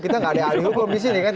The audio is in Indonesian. kita tidak ada ahli hukum disini kan